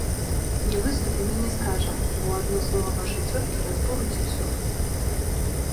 Не выступім і не скажам, бо адно слова вашай цёткі разбурыць усё.